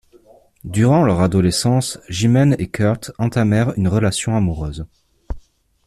Durant leurs adolescence, Jimaine et Kurt entamèrent une relation amoureuse.